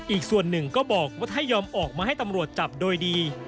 อีกส่วนหนึ่งก็บอกว่าถ้ายอมออกมาให้ตำรวจจับโดยดี